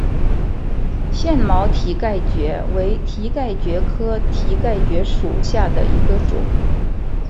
腺毛蹄盖蕨为蹄盖蕨科蹄盖蕨属下的一个种。